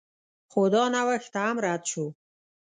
خو دا نوښت هم رد شو.